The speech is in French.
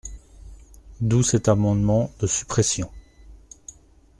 D’où cet amendement de suppression.